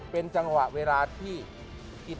เป็นจังหวะเวลาที่